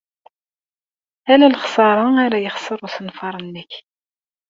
Ala lexṣara ara yexṣer usenfar-nnek.